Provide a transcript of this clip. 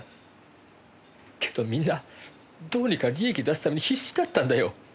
けどみんなどうにか利益出すために必死だったんだよ。